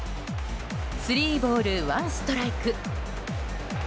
スリーボールワンストライク。